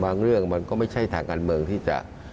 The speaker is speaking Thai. เรื่องมันก็ไม่ใช่ทางการเมืองที่จะ